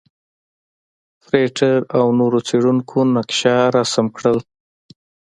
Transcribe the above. فرېټر او نورو څېړونکو نقشه رسم کړل.